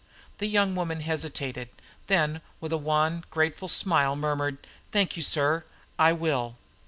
The young woman hesitated, then with a wan, grateful smile murmured, "Thank you, sir, I will."